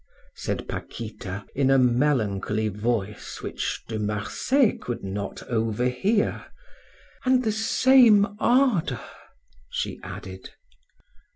said Paquita, in a melancholy voice, which De Marsay could not overhear, "and the same ardor," she added.